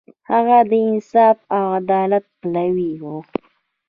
هغه د انصاف او عدالت پلوی و.